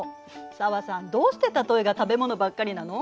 紗和さんどうして例えが食べ物ばっかりなの？